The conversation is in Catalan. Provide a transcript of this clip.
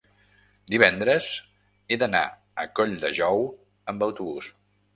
divendres he d'anar a Colldejou amb autobús.